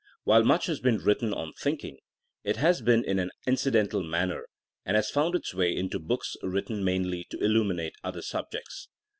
While much has been written on thinking, it has been in an incidental manner, and has found its way into books writ ten mainly to illuminate other subjects.